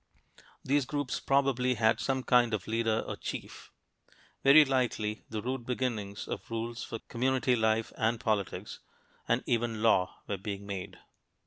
These groups probably had some kind of leader or "chief." Very likely the rude beginnings of rules for community life and politics, and even law, were being made.